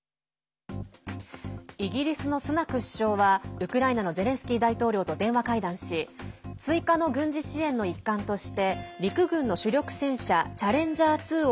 イギリスのスナク首相はウクライナのゼレンスキー大統領と電話会談し追加の軍事支援の一環として陸軍の主力戦車チャレンジャー２を